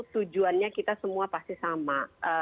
tujuannya kita semua pasti sama